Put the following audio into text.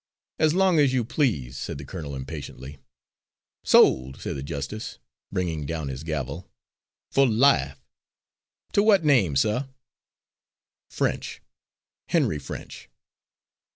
"As long as you please," said the colonel impatiently. "Sold," said the justice, bringing down his gavel, "for life, to what name, suh?" "French Henry French."